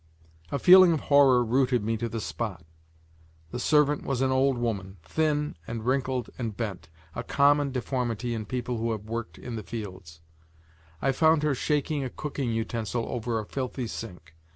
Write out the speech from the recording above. A feeling of horror rooted me to the spot. The servant was an old woman, thin and wrinkled and habitually bent over, a common deformity in people who have worked in the fields. I found her shaking a cooking utensil over a filthy sink.